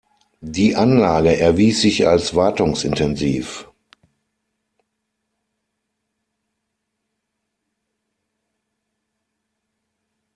Die Anlage erwies sich als wartungsintensiv.